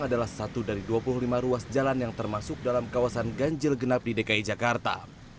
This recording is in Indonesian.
adalah satu dari dua puluh lima ruas jalan yang termasuk dalam kawasan ganjil genap di dki jakarta